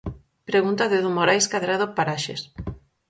Pregunta de don Morais Cadrado Paraxes.